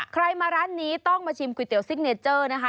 ใครมาร้านนี้ต้องมาชิมก๋วยเตี๋ซิกเนเจอร์นะคะ